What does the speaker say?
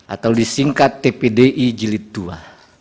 atau disingkat tpdi jilid ii